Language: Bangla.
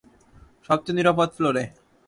সবচেয়ে নিরাপদ ফ্লোরে।